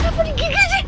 kenapa di gigi aja